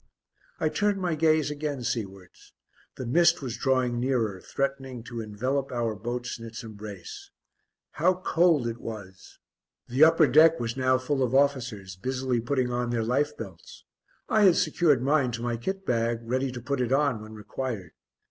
I turned my gaze again seawards: the mist was drawing nearer, threatening to envelop our boats in its embrace. How cold it was! The upper deck was now full of officers, busily putting on their life belts I had secured mine to my kit bag, ready to put it on when required.